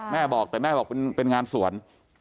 แม่บอกแต่แม่บอกเป็นงานสวน